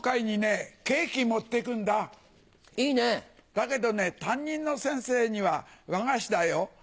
だけどね担任の先生には和菓子だよ。